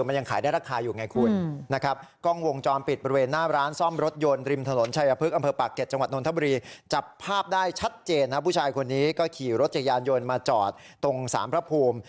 มันยังขายได้ลักครายอยู่ไงคุณ